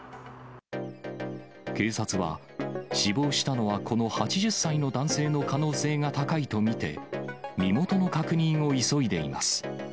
警察は、死亡したのはこの８０歳の男性の可能性が高いと見て、身元の確認を急いでいます。